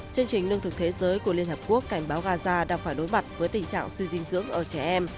chương trình lương thực thế giới của liên hợp quốc cảnh báo gaza đang phải đối mặt với tình trạng suy dinh dưỡng ở trẻ em